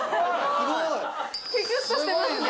すごいぞキュキュッとしてますね